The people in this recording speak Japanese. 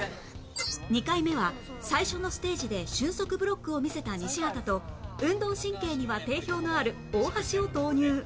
２回目は最初のステージで俊足ブロックを見せた西畑と運動神経には定評のある大橋を投入